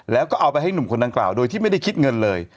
แล้วก็เอาไปให้หนุ่มคนดังกล่าวโดยที่ไม่ได้คิดเงินเลย